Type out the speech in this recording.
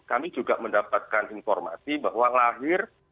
kami juga mendapatkan informasi bahwa lahir